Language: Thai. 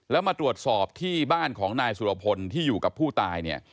แล้วมาตรวจสอบที่บ้านของนายสุรพลที่อยู่กับผู้ตายเนี่ย